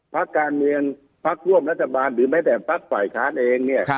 พักการเมืองพักร่วมรัฐบาลหรือแม้แต่พักฝ่ายค้านเองเนี่ย